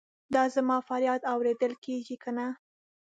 دا زما فریاد اورېدل کیږي کنه؟